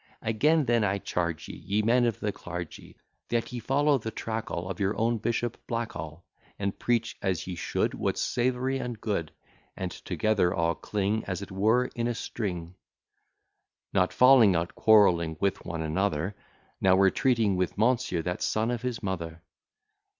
Again then I charge ye, Ye men of the clergy, That ye follow the track all Of your own Bishop Blackall, And preach, as ye should, What's savoury and good; And together all cling, As it were, in a string; Not falling out, quarrelling one with another, Now we're treating with Monsieur, that son of his mother.